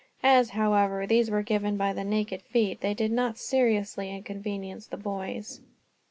As, however, these were given by the naked feet, they did not seriously inconvenience the boys.